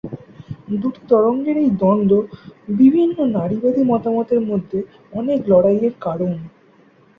দুটি তরঙ্গের এই দ্বন্দ্ব বিভিন্ন নারীবাদী মতামতের মধ্যে অনেক লড়াইয়ের কারণ।